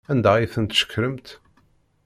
Anda ay ten-tceqremt?